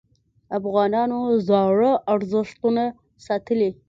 افغانانو زاړه ارزښتونه ساتلي.